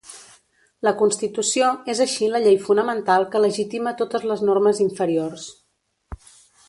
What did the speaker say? La constitució és així la llei fonamental que legitima totes les normes inferiors.